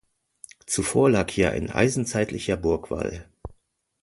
Zuvor lag hier ein eisenzeitlicher Burgwall.